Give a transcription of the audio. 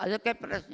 ada kayak perasnya